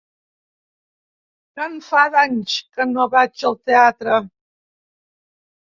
Que en fa d'anys, que no vaig al teatre!